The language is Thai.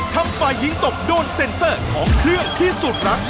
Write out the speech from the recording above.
ถ้าป้ายหญิงตกโดนเซ็นเซอร์ของเครื่องที่สุดรัก